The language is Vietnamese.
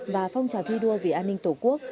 và phong trào thi đua vì an ninh tổ quốc